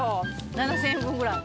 ７，０００円分ぐらい。